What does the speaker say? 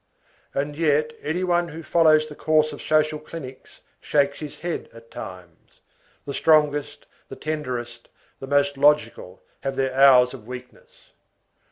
And yet, any one who follows the course of social clinics shakes his head at times. The strongest, the tenderest, the most logical have their hours of weakness.